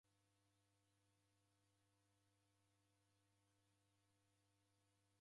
Nedudughishwa hospitali nisemanyagha.